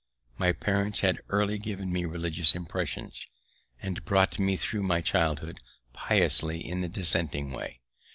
My parents had early given me religious impressions, and brought me through my childhood piously in the Dissenting way.